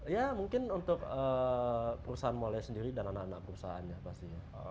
ya mungkin untuk perusahaan molai sendiri dan anak anak perusahaannya pastinya